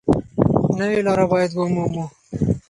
نوې لاره باید ومومو.